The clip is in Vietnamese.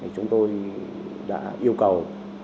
chúng tôi đã yêu cầu